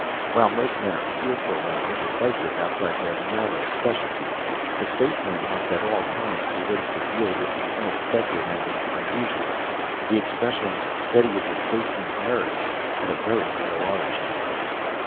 While most men are fearful and indecisive outside their narrow specialties the spacemen must at all times be ready to deal with the unexpected and the unusual. The expression "Steady as a spaceman's nerves" had a very real origin.